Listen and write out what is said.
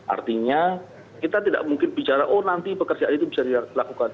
artinya kita tidak mungkin bicara oh nanti pekerjaan itu bisa dilakukan